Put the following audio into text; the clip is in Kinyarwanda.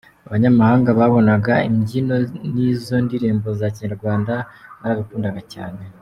Abanyamahanga babonaga imbyino n’izo ndirimbo za Kinyarwanda, barabikundaga cyane.